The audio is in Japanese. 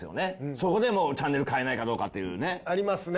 そこでもうチャンネル変えないかどうかというね。ありますね。